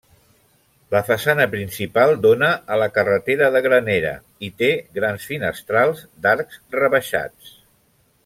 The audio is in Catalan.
La façana principal dona a la carretera de Granera i té grans finestrals d'arcs rebaixats.